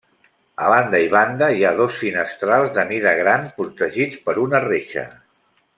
A banda i banda hi ha dos finestrals de mida gran protegits per una reixa.